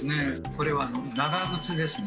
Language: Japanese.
これは「長靴」ですね。